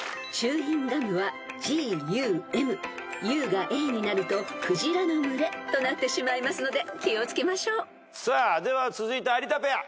［ｕがａになるとクジラの群れとなってしまいますので気を付けましょう］では続いて有田ペア。